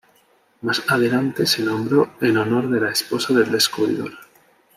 Más adelante se nombró en honor de la esposa del descubridor.